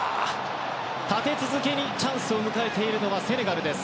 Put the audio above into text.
立て続けに、チャンスを迎えているのはセネガルです。